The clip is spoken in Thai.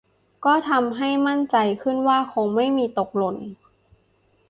ก็ทำให้มั่นใจขึ้นว่าคงไม่ตกหล่น